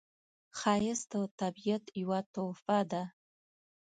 ښایست د طبیعت یوه تحفه ده